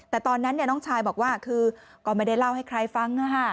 แต่ตอนนั้นน้องชายบอกว่าคือก็ไม่ได้เล่าให้ใครฟัง